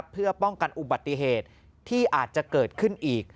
เพื่อป้องกันอุบัติเหตุที่อาจจะเกิดขึ้นอีก